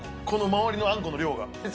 この周りのあんこの量が。